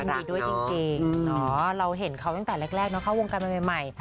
ดีด้วยจริงเราเห็นเขาตั้งแต่แรกเนาะเข้าวงการวันใหม่